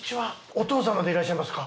お父様でいらっしゃいますか？